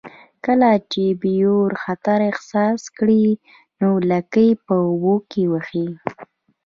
کله چې بیور خطر احساس کړي نو لکۍ په اوبو وهي